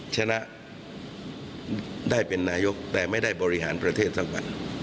ชนะได้เป็นนายกแต่ไม่ได้บริหารประเทศสักวัน